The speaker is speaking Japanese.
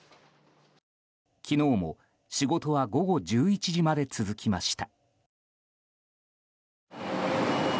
昨日も仕事は午後１１時まで続きました。